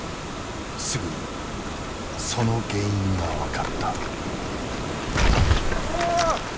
すぐにその原因が分かった。